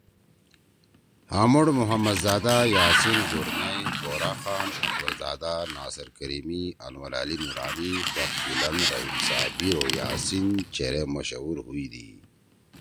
ہامُوڑ محمد زادہ، یاسین گورنئی، بورا خان، اکبرزادہ، ناصر کریمی، انورعلی نورانی، بخت بلند، رحیم صابر او یاسین چیرے مشہور ہُوئیدی۔